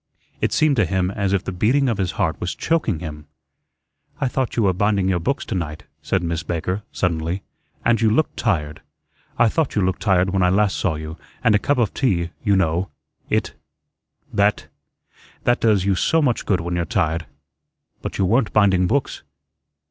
It seemed to him as if the beating of his heart was choking him. "I thought you were binding your books to night," said Miss Baker, suddenly, "and you looked tired. I thought you looked tired when I last saw you, and a cup of tea, you know, it that that does you so much good when you're tired. But you weren't binding books."